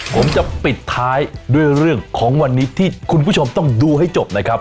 ผมจะปิดท้ายด้วยเรื่องของวันนี้ที่คุณผู้ชมต้องดูให้จบนะครับ